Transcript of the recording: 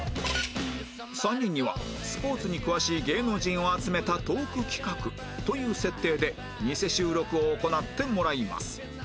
３人にはスポーツに詳しい芸能人を集めたトーク企画という設定でニセ収録を行ってもらいます